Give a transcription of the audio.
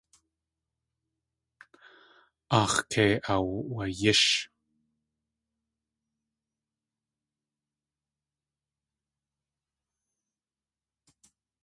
Aax̲ kei aawayísh.